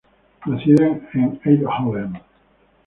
Nacida en Eindhoven.